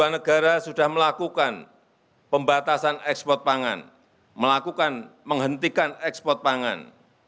dua negara sudah melakukan pembatasan ekspor pangan melakukan menghentikan ekspor pangan